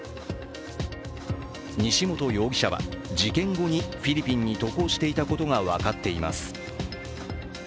西本容疑者は、事件後にフィリピンに渡航していたことが分かっています。